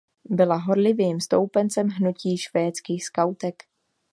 Byla horlivým stoupencem hnutí Švédských skautek.